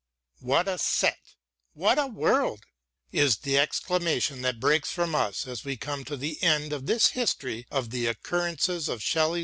What a set, what a world ! is the exclamation that breaks from us as we come to the end of this history of," the occurrences * Dowden's "Life of Shelley."